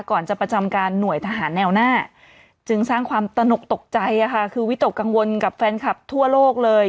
ก่อนจะประจำการหน่วยทหารแนวหน้าจึงสร้างความตนกตกใจคือวิตกกังวลกับแฟนคลับทั่วโลกเลย